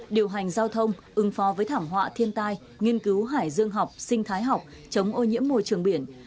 điều hành giao thông ứng phó với thảm họa thiên tai nghiên cứu hải dương học sinh thái học chống ô nhiễm môi trường biển